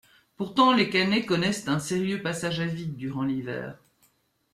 Pourtant, les Caennais connaissent un sérieux passage à vide durant l'hiver.